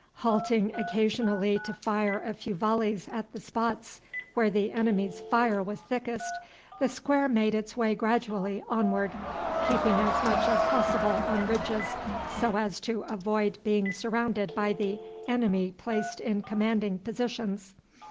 Halting occasionally to fire a few volleys at the spots where the enemy's fire was thickest the square made its way gradually onward, keeping as much as possible on ridges so as to avoid being surrounded by the enemy placed in commanding positions.